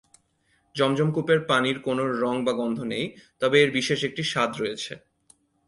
জমজম কূপের পানির কোনও রং বা গন্ধ নেই, তবে এর বিশেষ একটি স্বাদ রয়েছে।